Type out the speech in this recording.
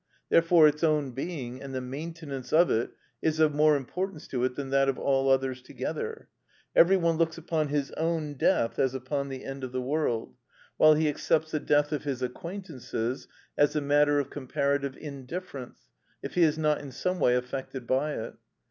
Therefore its own being, and the maintenance of it, is of more importance to it than that of all others together. Every one looks upon his own death as upon the end of the world, while he accepts the death of his acquaintances as a matter of comparative indifference, if he is not in some way affected by it.